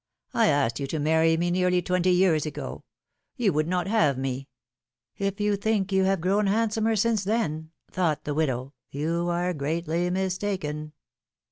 I asked you to marry me nearly twenty years ago ; you w^ould not have me —"" If you think you have grown handsomer since then," thought the widow, you are greatly mistaken